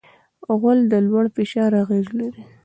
غول د لوړ فشار اغېز لري.